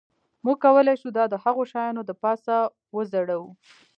موږ کولی شو دا د هغو شیانو د پاسه وځړوو